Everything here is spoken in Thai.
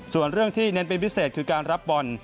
ส่วนเรื่องที่เน้นเป็นพิเศษคือการรับบอล